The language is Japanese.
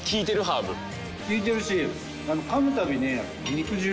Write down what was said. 効いてるし。